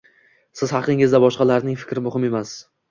Siz haqingizdagi boshqalarning fikri muhim emas